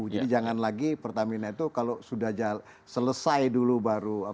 jadi jangan lagi pertamina itu kalau sudah selesai dulu baru